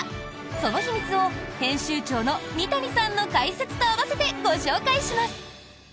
その秘密を編集長の三谷さんの解説と併せてご紹介します。